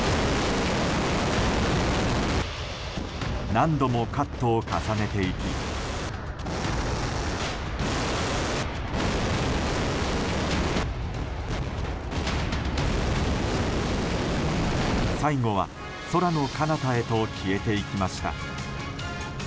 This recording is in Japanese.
何度もカットを重ねていき最後は、空の彼方へと消えていきました。